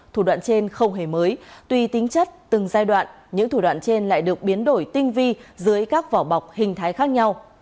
thủ đoạn trên không hề mới tuy tính chất từng giai đoạn những thủ đoạn trên lại được biến đổi tinh vi dưới các vỏ bọc hình thái khác nhau